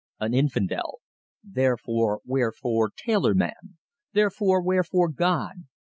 An infidel "Therefore, wherefore, tailor man?... Therefore, wherefore, God?...